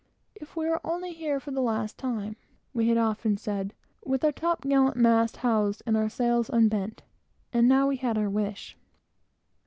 "If we were only here for the last time," we had often said, "with our top gallant masts housed and our sails unbent!" and now we had our wish.